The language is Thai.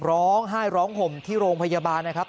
ร้องไห้ร้องห่มที่โรงพยาบาลนะครับ